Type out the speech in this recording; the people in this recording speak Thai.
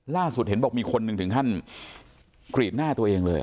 ล่าสุดเห็นบอกมีคนหนึ่งถึงขั้นกรีดหน้าตัวเองเลย